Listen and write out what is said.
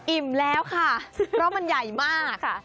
อิ่มแล้วค่ะเพราะมันใหญ่มาก